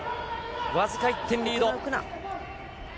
僅か１点リード。